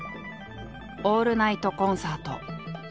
オールナイトコンサート。